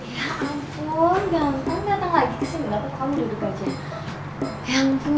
ya ampun gampang datang lagi sebenarnya kamu duduk aja